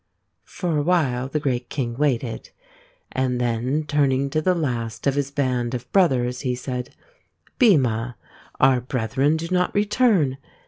For a while the great king waited, and then turn ing to the last of his band of brothers he said, " Bhima, our brethren do not return.